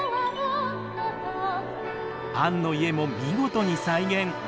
アンの家も見事に再現。